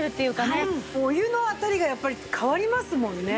お湯のあたりがやっぱり変わりますもんね。